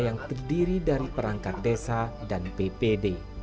yang terdiri dari perangkat desa dan bpd